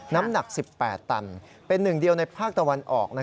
น้ำหนัก๑๘ตันเป็นหนึ่งเดียวในภาคตะวันออก